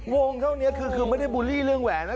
เท่านี้คือไม่ได้บูลลี่เรื่องแหวนนะ